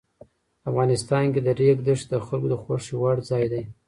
افغانستان کې د ریګ دښتې د خلکو د خوښې وړ ځای دی.